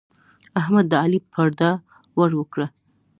احمد د علي پرده ور وکړه.